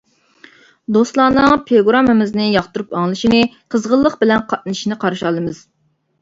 دوستلارنىڭ پىروگراممىمىزنى ياقتۇرۇپ ئاڭلىشىنى، قىزغىنلىق بىلەن قاتنىشىشىنى قارشى ئالىمىز.